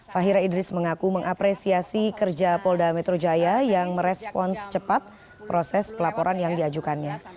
fahira idris mengaku mengapresiasi kerja polda metro jaya yang merespons cepat proses pelaporan yang diajukannya